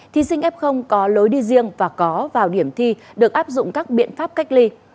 thí sinh f có lối đi riêng và có vào điểm thi được áp dụng các biện pháp cách ly